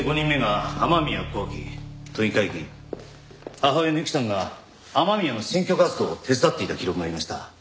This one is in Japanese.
母親の雪さんが雨宮の選挙活動を手伝っていた記録がありました。